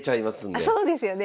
あそうですよね